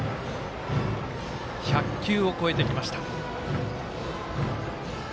１００球を超えてきました。